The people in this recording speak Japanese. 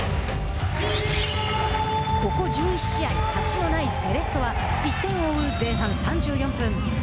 ここ１１試合勝ちのないセレッソは１点を追う前半３４分。